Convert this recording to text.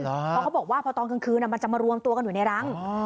เพราะเขาบอกว่าพอตอนกลางคืนมันจะมารวมตัวกันอยู่ในรัง